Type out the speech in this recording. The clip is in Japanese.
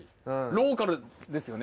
ローカルですよね。